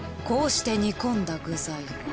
こうして煮込んだ具材。